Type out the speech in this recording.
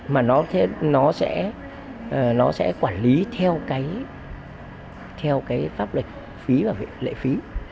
mà nó sẽ quản lý theo cái pháp lệnh phí và lệ phí